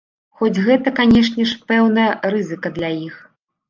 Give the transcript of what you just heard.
Хоць гэта, канешне ж, пэўная рызыка для іх.